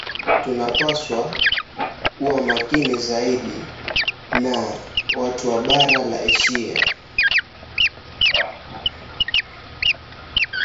We should be more careful of the "farang" than other Asians.